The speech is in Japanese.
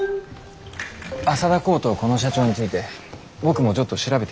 浅田航とこの社長について僕もちょっと調べてみます。